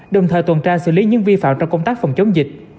đồng thời tuần tra xử lý những vi phạm trong công tác phòng chống dịch